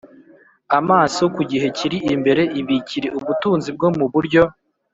Amaso ku gihe kiri imbere ibikire ubutunzi bwo mu buryo